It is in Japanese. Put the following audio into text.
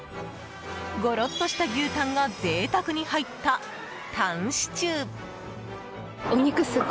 ゴロッとした牛タンが贅沢に入ったタンシチュー。